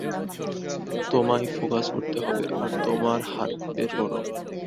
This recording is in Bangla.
তোমায় ফোকাস করতে হবে আর তোমার হাত বের করো।